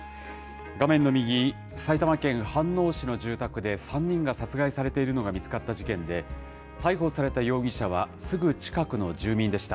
画面の右、埼玉県飯能市の住宅で、３人が殺害されているのが見つかった事件で、逮捕された容疑者は、すぐ近くの住民でした。